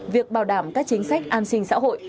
việc bảo đảm các chính sách an sinh xã hội